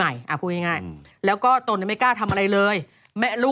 อยู่จน๓๔ปีนี่